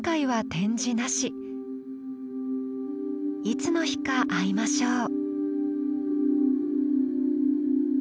いつの日か会いましょう。